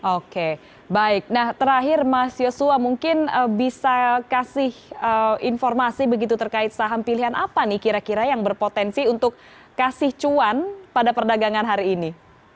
oke baik nah terakhir mas yosua mungkin bisa kasih informasi begitu terkait saham pilihan apa nih kira kira yang berpotensi untuk kasih cuan pada perdagangan hari ini